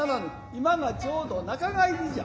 今はちょうど中帰りじゃ。